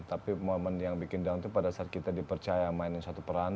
tapi momen yang bikin down itu pada saat kita dipercaya mainin suatu peran